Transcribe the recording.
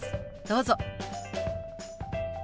どうぞ。